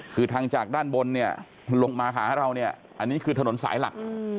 คือทางจากด้านบนเนี่ยลงมาหาเราเนี่ยอันนี้คือถนนสายหลัก